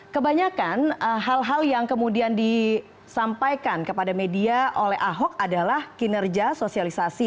kebanyakan hal hal yang kemudian disampaikan kepada media oleh ahok adalah kinerja sosialisasi